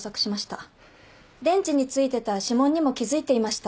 電池に付いてた指紋にも気付いていました。